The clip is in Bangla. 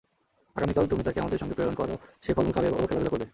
আগামীকাল তুমি তাকে আমাদের সঙ্গে প্রেরণ কর, সে ফল-মূল খাবে ও খেলাধুলা করবে।